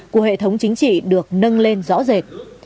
của hệ thống chính trị được nâng lên rõ rệt